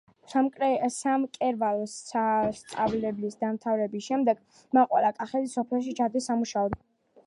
სამკერვალო სასწავლებლის დამთავრების შემდეგ მაყვალა კახეთის სოფელში ჩადის სამუშაოდ.